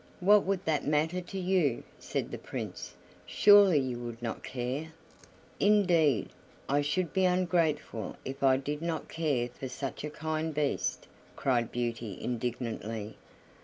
"What would that matter to you?" said the Prince "Surely you would not care?" "Indeed, I should be ungrateful if I did not care for such a kind Beast," cried Beauty indignantly.